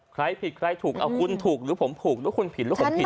ใช้ผิดใช้ถุกเอาคุณถูกหรือผมพูดละคุณผิดละคุณผิด